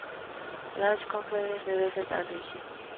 A large conference room has been a recent addition.